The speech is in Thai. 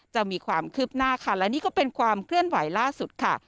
จะมีความคืบหน้าค่ะและนี่ก็เป็นความเคลื่อนไหวล่าสุดค่ะ